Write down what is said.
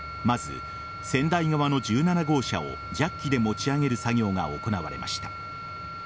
まず、仙台側の１７号車をジャッキで持ち上げる作業が行われました。